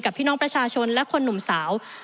พี่น้องประชาชนและคนหนุ่มสาว